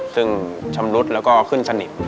ซึ่งชำรุดแล้วก็ขึ้นสนิท